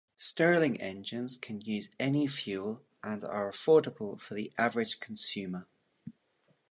Stirling engines can use any fuel and are affordable for the average consumer.